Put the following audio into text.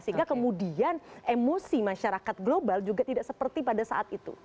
sehingga kemudian emosi masyarakat global juga tidak seperti pada saat itu